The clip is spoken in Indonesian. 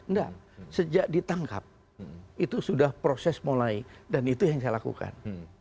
enggak sejak ditangkap itu sudah proses mulai dan itu yang saya lakukan